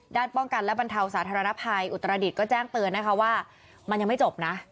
ป้องกันและบรรเทาสาธารณภัยอุตรดิษฐ์ก็แจ้งเตือนนะคะว่ามันยังไม่จบนะ